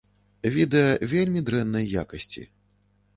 Відэа вельмі дрэннай якасці.